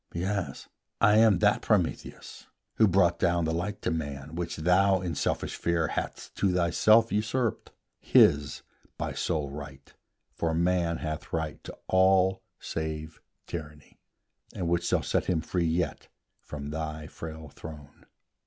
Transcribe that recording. Yes, I am that Prometheus who brought down The light to man, which thou, in selfish fear, Hadst to thyself usurped, his by sole right, For Man hath right to all save Tyranny, And which shall free him yet from thy frail throne.